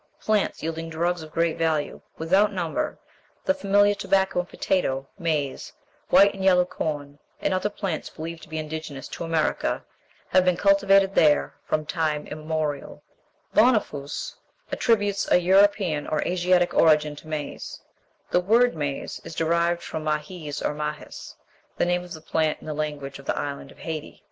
Plants, yielding drugs of great value, without number, the familiar tobacco and potato, maize, white and yellow corn, and other plants believed to be indigenous to America, have been cultivated there from time immemorial." Bonafous ("Histoire Naturelle du Mais," Paris, 1826) attributes a European or Asiatic origin to maize. The word maize, (Indian corn) is derived from mahiz or mahis, the name of the plant in the language of the Island of Hayti.